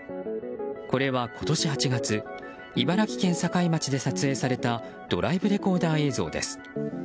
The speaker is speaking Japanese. これは、今年８月茨城県境町で撮影されたドライブレコーダー映像です。